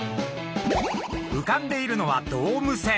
うかんでいるのはドーム船。